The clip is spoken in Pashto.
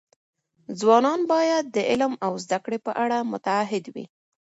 ځوانان باید د علم او زده کړې په اړه متعهد وي.